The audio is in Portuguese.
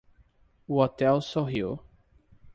O hotel sorriu.